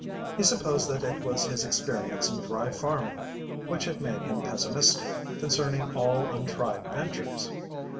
He supposed that it was his experience in dry farming which had made him pessimistic concerning all untried ventures.